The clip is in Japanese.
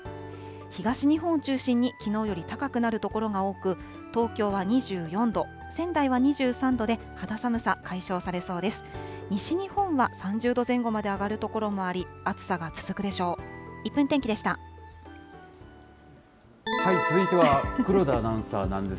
東日本を中心に、きのうより高くなる所が多く、東京は２４度、仙台は２３度で、肌寒さ、解消されそうです。